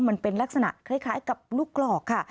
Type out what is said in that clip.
มันเป็นลักษณะคล้ายกับลูกหลอกค่ะ